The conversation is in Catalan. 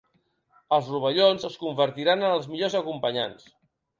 Els rovellons es convertiran en els millors acompanyants.